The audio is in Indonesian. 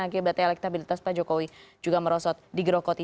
akhirnya elektabilitas pak jokowi juga merosot di gerokoti